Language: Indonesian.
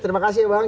terima kasih bang